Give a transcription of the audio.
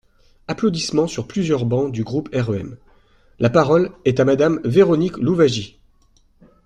(Applaudissements sur plusieurs bancs du groupe REM.) La parole est à Madame Véronique Louwagie.